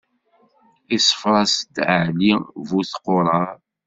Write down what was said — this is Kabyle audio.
Iṣeffer-as-d Ɛli bu tquṛaṛ.